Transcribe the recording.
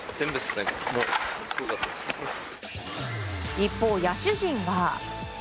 一方、野手陣は。